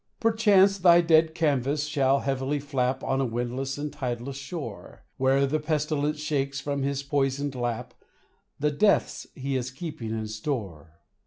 Perchance thy dead canvas shall heavily flap On a windless and tideless shore, Where the pestilence shakes from his poisoned lap The deaths he is keeping in store.